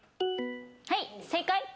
はい正解？